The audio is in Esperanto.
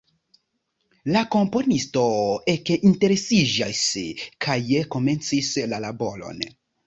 La komponisto ekinteresiĝis kaj komencis la laboron.